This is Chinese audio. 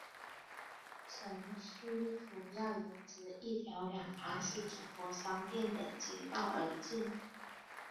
城区主要沿着一条两旁是中国商店的街道而建。